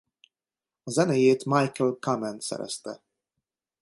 A zenéjét Michael Kamen szerezte.